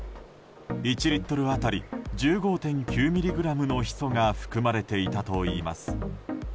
１リットル当たり１５．９ｍｇのヒ素が含まれていたといいます。